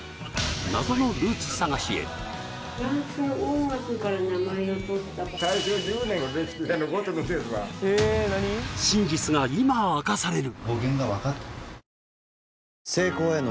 謎のルーツ探しへ真実が今明かされる！